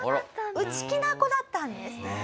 内気な子だったんです。